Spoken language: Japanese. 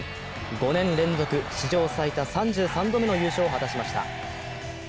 ５年連続、史上最多３３度目の優勝を果たしました。